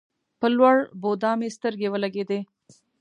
په لوړ بودا مې سترګې ولګېدې.